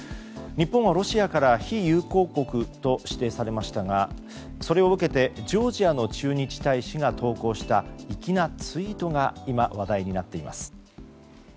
日本はロシアから非友好国と指定されましたがそれを受けてジョージアの駐日大使が投稿した粋なツイートが今話題になっています。